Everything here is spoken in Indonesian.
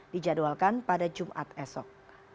dijadwalkan pada jumat esok